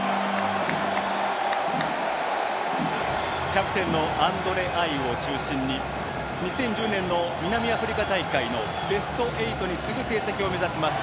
キャプテンのアンドレ・アイウを中心に２０１０年の南アフリカ大会のベスト８に次ぐ成績を目指します